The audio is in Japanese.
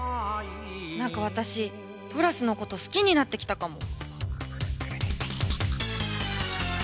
何か私トラスのこと好きになってきたかも！